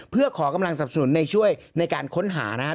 เพื่อขอกำลังสับสนุนในช่วยในการค้นหานะครับ